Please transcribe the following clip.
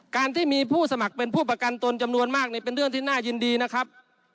การที่มีผู้สมัครเป็นผู้ประกันตนจำนวนมากนี่เป็นเรื่องที่น่ายินดีนะครับ